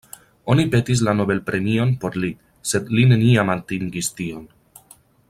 Oni petis la Nobelpremion por li, sed li neniam atingis tion.